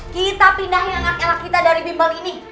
kita pindahin anak anak kita dari bimbol ini